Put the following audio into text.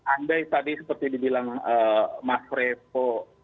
andai tadi seperti dibilang mas revo